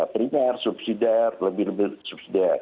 primer subsidiar lebih lebih subsidiar